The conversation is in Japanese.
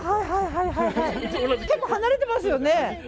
結構離れてますよね？